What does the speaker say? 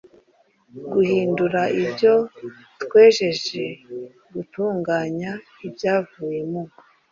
guhindura ibyo twejeje gutunganya ibyavuye mu